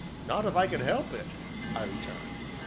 "Not if I can help it," I returned.